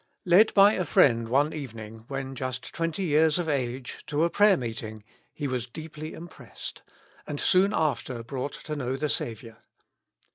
lycd by a friend one evening, when just twenty years of age, to a prayer meeting, he was deeply impressed, and soon after brought to know the Saviour.